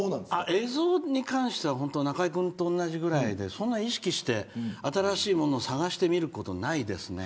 映像に関しては本当に中居君と同じぐらいでそんな意識して新しいものを探して見ることないですね。